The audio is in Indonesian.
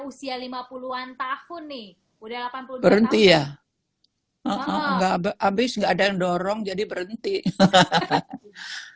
usia lima puluh an tahun nih udah berhenti ya